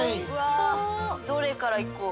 どれからいこう。